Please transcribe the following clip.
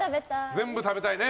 全部食べたいね。